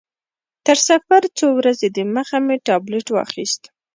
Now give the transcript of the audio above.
تر سفر څو ورځې دمخه مې ټابلیټ واخیست.